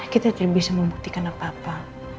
kita tidak bisa membuktikan apa apa